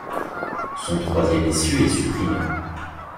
Son troisième essieu est supprimé.